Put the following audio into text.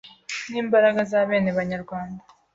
N’imbaraga za bene kanyarwanda